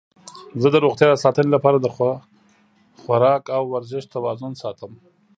زه د روغتیا د ساتنې لپاره د خواراک او ورزش توازن ساتم.